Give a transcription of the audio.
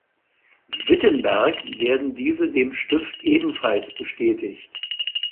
Wittenberg werden diese dem Stift ebenfalls bestätigt.